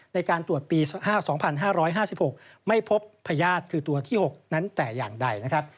ในการตรวจปี๒๕๕๖ไม่พบพญาติคือตัวที่๖นั้นแต่อย่างใดนะครับ